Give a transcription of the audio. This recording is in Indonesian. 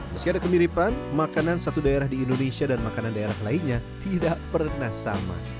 meski ada kemiripan makanan satu daerah di indonesia dan makanan daerah lainnya tidak pernah sama